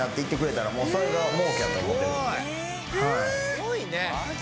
すごいね。